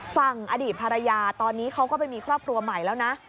ฝั่งอดีตภรรยาตอนนี้เขาก็ไปมีครอบครัวใหม่แล้วนะ